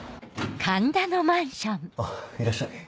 あっいらっしゃい。